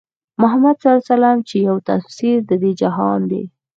محمدص چې يو تفسير د دې جهان دی